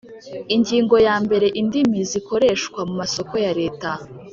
Ingingo ya mbere Indimi zikoreshwa mu masoko ya Leta